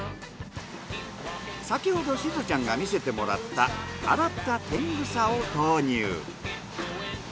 先ほどしずちゃんが見せてもらった洗ったテングサを投入。